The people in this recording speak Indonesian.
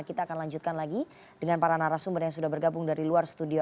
kita akan lanjutkan lagi dengan para narasumber yang sudah bergabung dari luar studio